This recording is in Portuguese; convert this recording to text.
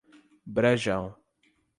Brejão